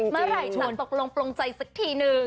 เมื่อไหร่ฉันตกลงใจสักทีหนึ่ง